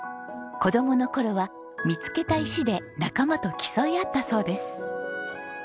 子供の頃は見つけた石で仲間と競い合ったそうです。